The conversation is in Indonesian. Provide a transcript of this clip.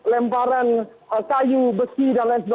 lemparan kayu besi dll